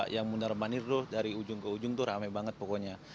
yang mundar mandir tuh dari ujung ke ujung tuh rame banget pokoknya